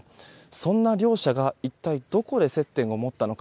そんな両者が一体どこで接点を持ったのか。